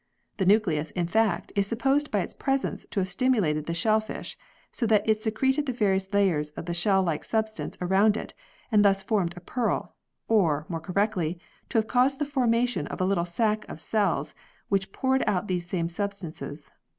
The nucleus, in fact, is supposed by its presence to have stimulated the shellfish, so that it secreted the various layers of shell like substance around it and thus formed a pearl ; or, more correctly, to have caused the formation of a little sac of cells which poured out these same substances.